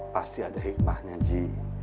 pasti ada hikmahnya ji